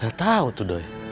gak tahu tuh doi